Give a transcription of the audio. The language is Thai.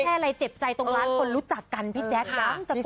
ไม่แค่อะไรเจ็บใจตรงร้านคนรู้จักกันพี่แด๊กต้องโกงแน็กอีก